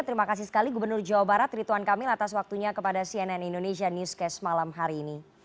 terima kasih sekali gubernur jawa barat rituan kamil atas waktunya kepada cnn indonesia newscast malam hari ini